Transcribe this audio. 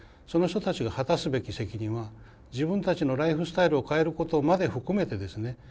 その人たちが果たすべき責任は自分たちのライフスタイルを変えることまで含めてですね